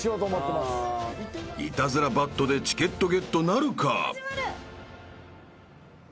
［イタズラバットでチケットゲットなるか］